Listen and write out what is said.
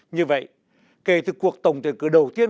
như vậy kể từ cuộc tổng tuyển cử đầu tiên